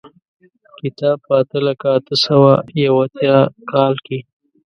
کتاب په اته لکه اته سوه یو اتیا کال کې.